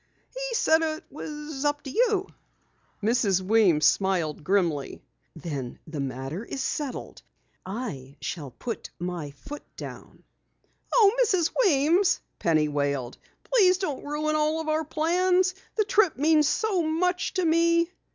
"He said it was up to you." Mrs. Weems smiled grimly. "Then the matter is settled. I shall put my foot down." "Oh, Mrs. Weems," Penny wailed. "Please don't ruin all our plans. The trip means so much to me!"